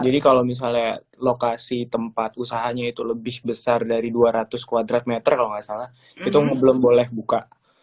jadi kalau misalnya lokasi tempat usahanya itu lebih besar dari dua ratus m dua kalau gak salah itu belum boleh buka